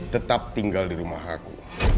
tetap tinggal di rumah aku